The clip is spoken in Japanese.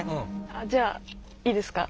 あっじゃあいいですか？